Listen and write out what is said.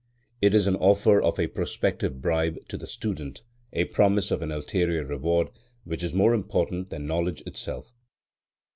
It is an offer of a prospective bribe to the student, a promise of an ulterior reward which is more important than knowledge itself.